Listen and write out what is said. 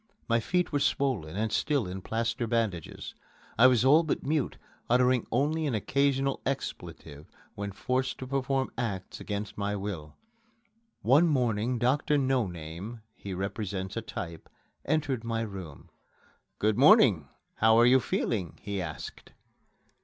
My feet were swollen and still in plaster bandages. I was all but mute, uttering only an occasional expletive when forced to perform acts against my will. One morning Doctor No name (he represents a type) entered my room. "Good morning! How are you feeling?" he asked.